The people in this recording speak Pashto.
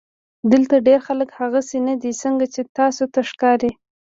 دلته ډېر خلک هغسې نۀ دي څنګه چې تاسو ته ښکاري